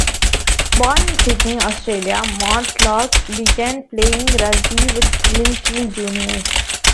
Born in Sydney, Australia, Mortlock began playing rugby with Lindfield Juniors.